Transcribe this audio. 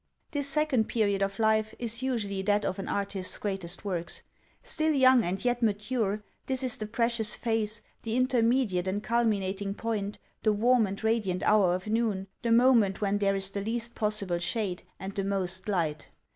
This second period of life is usually that of an artist's greatest works. Still young, and yet mature, — this is the precious phase, the intermediate and culminating point, the warm and radiant hour of noon, the moment when there is the least possible shade, and the most light.